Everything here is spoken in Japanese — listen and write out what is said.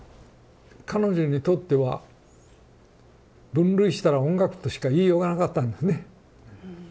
彼女にとっては分類したら音楽としか言いようがなかったんですね。